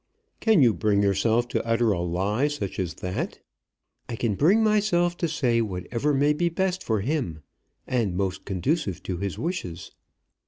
"Can you bring yourself to utter a lie such as that?" "I can bring myself to say whatever may be best for him, and most conducive to his wishes."